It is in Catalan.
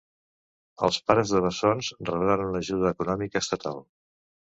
Els pares de bessons rebran una ajuda econòmica estatal.